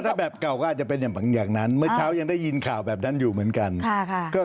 ถ้าแบบเก่าก็อาจจะเป็นอย่างนั้นเมื่อเช้ายังได้ยินข่าวแบบนั้นอยู่เหมือนกัน